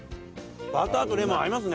バターとレモン合いますね。